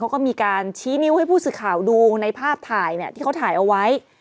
เขาก็มีการชี้นิ้วให้ผู้สื่อข่าวดูในภาพถ่ายที่เขาถ่ายเอาไว้